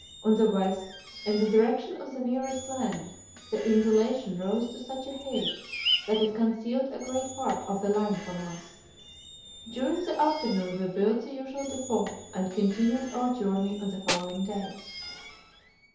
On the west, in the direction of the nearest land, the undulation rose to such a height that it concealed a great part of the land from us. During the afternoon we built the usual depot, and continued our journey on the following day.